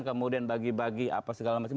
kemudian bagi bagi apa segala macam